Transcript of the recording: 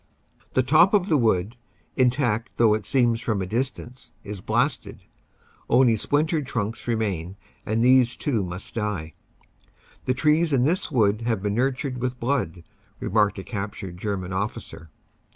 The top of the wood, intact though it seems from a dis tance, is blasted. Only splintered trunks remain and these too must die. "The trees in this wood have been nurtured with blood," remarked a captured German officer.